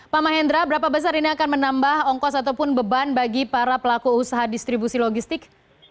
pak mahendra berapa besar ini akan menambah ongkos ataupun beban bagi para pelaku usaha distribusi logistik